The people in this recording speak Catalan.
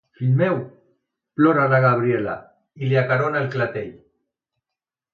Fill meu! –plora la Gabriela, i li acarona el clatell.